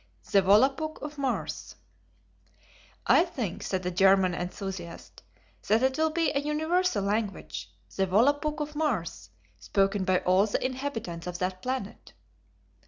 The Volapuk of Mars. "I think," said a German enthusiast, "that it will be a universal language, the Volapuk of Mars, spoken by all the inhabitants of that planet."